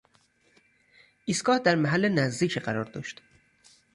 ایستگاه در محل نزدیکی قرار داشت.